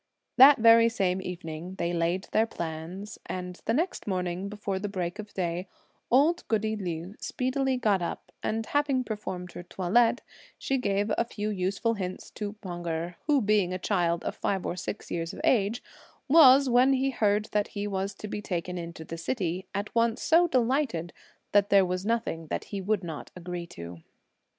That very same evening, they laid their plans, and the next morning before the break of day, old goody Liu speedily got up, and having performed her toilette, she gave a few useful hints to Pan Erh; who, being a child of five or six years of age, was, when he heard that he was to be taken into the city, at once so delighted that there was nothing that he would not agree to.